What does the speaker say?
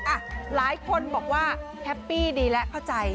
หลายคนบอกว่าแฮปปี้ดีและเข้าใจ